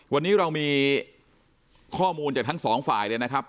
วันนี้เรามีข้อมูลจากทั้งสองฝ่ายเลยนะครับ